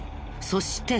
そして。